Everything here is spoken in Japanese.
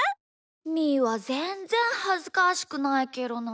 みーはぜんぜんはずかしくないけどな。